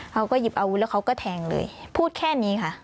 เขาก็หยิบอาวุธแล้วเขาก็แทงเลยพูดแค่นี้ค่ะ